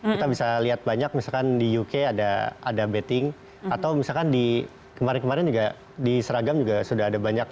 kita bisa lihat banyak misalkan di uk ada betting atau misalkan di kemarin kemarin juga di seragam juga sudah ada banyak